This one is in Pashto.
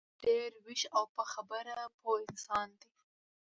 احمد ډېر ویښ او په خبره پوه انسان دی.